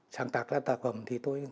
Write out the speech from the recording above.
sáng tạo ra tài phẩm thì tôi